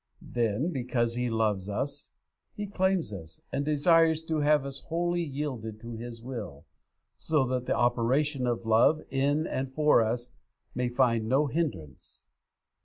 Then, because He loves us, He claims us, and desires to have us wholly yielded to His will, so that the operations of love in and for us may find no hindrance.